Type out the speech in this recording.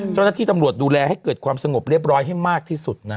เจ้าหน้าที่ตำรวจดูแลให้เกิดความสงบเรียบร้อยให้มากที่สุดนะ